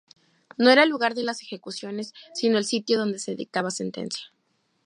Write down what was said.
No era el lugar de las ejecuciones, sino el sitio donde se dictaba sentencia.